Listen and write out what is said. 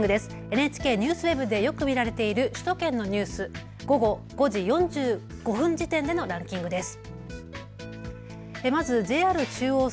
ＮＨＫＮＥＷＳＷＥＢでよく見られている首都圏のニュース、午後５時４５分時点でのランキングです。